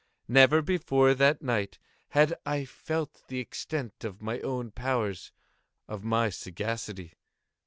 Never before that night had I felt the extent of my own powers—of my sagacity.